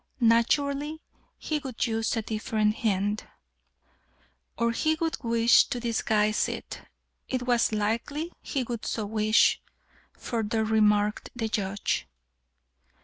Naturally he would use a different hand." "Or he would wish to disguise it. It was likely he would so wish," further remarked the Judge.